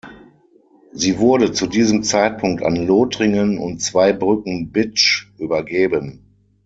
Sie wurde zu diesem Zeitpunkt an Lothringen und Zweibrücken-Bitsch übergeben.